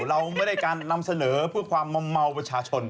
เราไม่ได้การนำเสนอเพื่อความมอมเมาประชาชน